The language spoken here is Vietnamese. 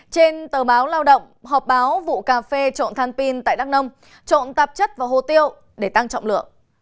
trên tờ báo lao động họp báo vụ cà phê trộn than pin tại đắk đông trộn tạp chất và hô tiêu để tăng trọng lượng